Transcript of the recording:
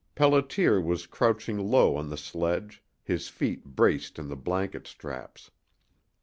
Pelliter was crouching low on the sledge, his feet braced in the blanket straps.